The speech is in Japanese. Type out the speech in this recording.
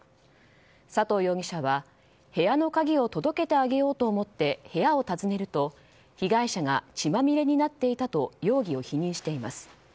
佐藤容疑者は、部屋の鍵を届けてあげようと思って部屋を訪ねると被害者が血まみれになっていたと容疑を否認しています。